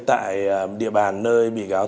tại địa bàn nơi bị cáo